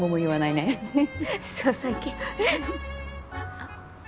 あっ。